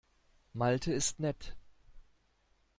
Malte ist nett.